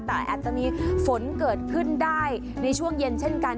แต่อาจจะมีฝนเกิดขึ้นได้ในช่วงเย็นเช่นกัน